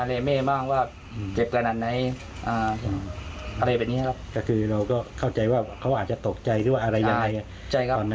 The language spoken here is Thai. เราก็เข้าใจว่าเขาอาจจะตกใจหรือว่าเก่งอะไร